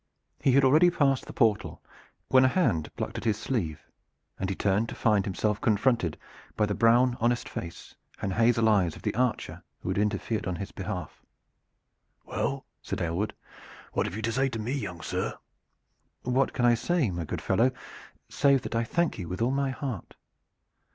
He had already passed the portal when a hand plucked at his sleeve and he turned to find himself confronted by the brown honest face and hazel eyes of the archer who had interfered in his behalf. "Well," said Aylward, "what have you to say to me, young sir?" "What can I say, my good fellow, save that I thank you with all my heart?